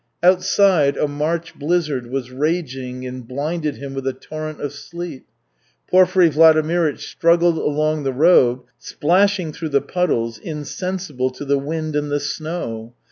Outside a March blizzard was raging and blinded him with a torrent of sleet. Porfiry Vladimirych struggled along the road, splashing through the puddles, insensible to the wind and the snow.